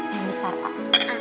yang besar pak